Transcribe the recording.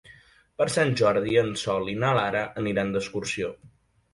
Per Sant Jordi en Sol i na Lara aniran d'excursió.